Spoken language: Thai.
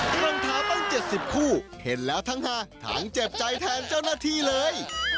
รองเท้าตั้ง๗๐คู่เห็นแล้วทั้งฮาทั้งเจ็บใจแทนเจ้าหน้าที่เลย